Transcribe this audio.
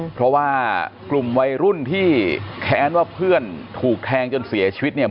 เพราะว่ากลุ่มวัยรุ่นที่แค้นว่าเพื่อนถูกแทงจนเสียชีวิตเนี่ย